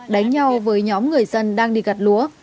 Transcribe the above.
đánh nhau với nhóm người dân đang đi gặt lúa